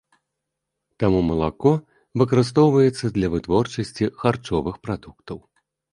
Таму малако выкарыстоўваецца для вытворчасці харчовых прадуктаў.